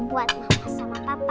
ini buat mama sama papa